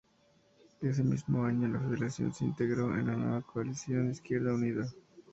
Ese mismo año, la Federación se integró en la nueva coalición Izquierda Unida.